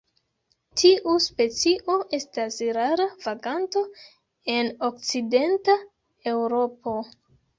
Tiu specio estas rara vaganto en okcidenta Eŭropo.